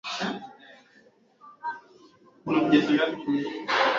tangu mwaka elfu moja mia sita themanini na tisa